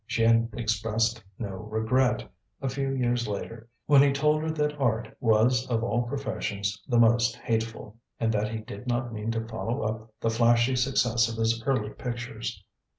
She had expressed no regret, a few years later, when he told her that art was of all professions the most hateful and that he did not mean to follow up the flashy success of his early pictures.